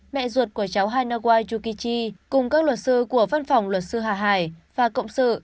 mẹ ruột của cháu hanawayukichi cùng các luật sư của văn phòng luật sư hà hải và cộng sự